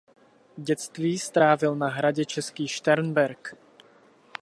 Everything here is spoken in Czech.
Dětství strávil na hradě Český Šternberk.